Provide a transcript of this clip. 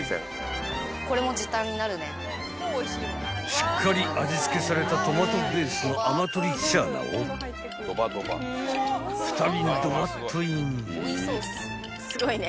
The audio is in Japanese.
［しっかり味付けされたトマトベースのアマトリチャーナを２瓶ドバッとイン］